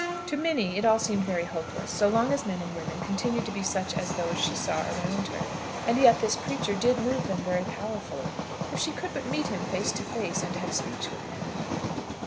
To Minnie it all seemed very hopeless, so long as men and women continued to be such as those she saw around her. And yet this preacher did move them very powerfully. If she could but meet him face to face, and have speech with him!